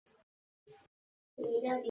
পরে কিছু দিন পুলিশ-এ কাজ করেন।